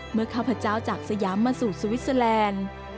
เมื่อข้าวพระเจ้าจากสยามมาสู่สวิสเซอแลนด์